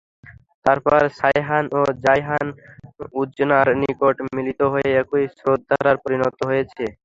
তারপর সায়হান ও জায়হান উযনার নিকট মিলিত হয়ে একই স্রোতধারায় পরিণত হয়েছে।